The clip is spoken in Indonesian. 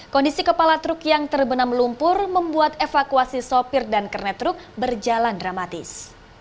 kondisi kepala truk yang terbenam lumpur membuat evakuasi sopir dan kernet truk berjalan dramatis